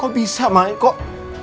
kok bisa mak kok